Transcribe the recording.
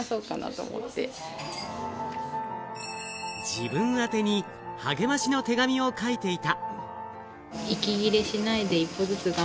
自分宛てに励ましの手紙を書いていた。